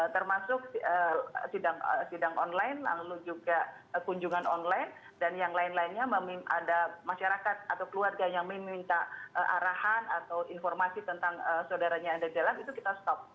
termasuk sidang online lalu juga kunjungan online dan yang lain lainnya ada masyarakat atau keluarga yang meminta arahan atau informasi tentang saudaranya yang ada di dalam itu kita stop